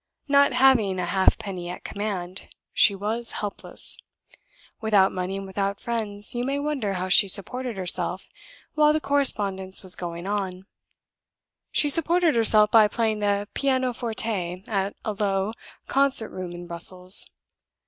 Not having a half penny at command, she was helpless. Without money and without friends, you may wonder how she supported herself while the correspondence was going on. She supported herself by playing the piano forte at a low concert room in Brussels.